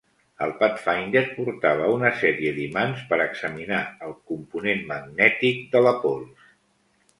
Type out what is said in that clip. El "Pathfinder" portava una sèrie d'imants per examinar el component magnètic de la pols.